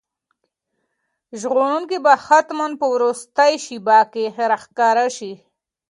ژغورونکی به حتماً په وروستۍ شېبه کې راښکاره شي.